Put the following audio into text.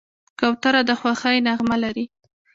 کوتره د خوښۍ نغمه لري.